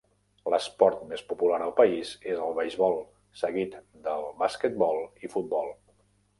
L'esport més popular al país és el beisbol, seguit de basquetbol i futbol.